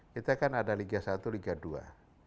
kita kan ada liga satu liga dua